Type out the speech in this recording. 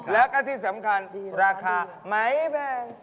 แล้วก็ที่สำคัญราคาไม่แพง